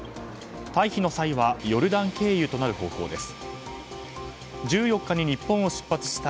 退避の際はヨルダン経由となる方向です。